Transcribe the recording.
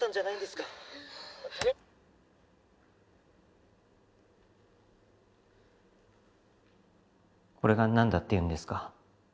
カチッこれがなんだっていうんですか？